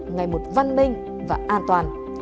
ngày một văn minh và an toàn